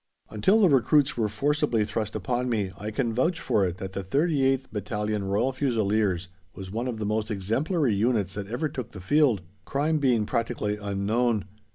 Until the recruits were forcibly thrust upon me, I can vouch for it that the 38th Battalion Royal Fusiliers was one of the most exemplary units that ever took the field, crime being practically unknown.